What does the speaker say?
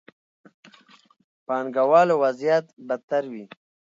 پانګه والو وضعيت بدتر وي.